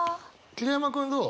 桐山君どう？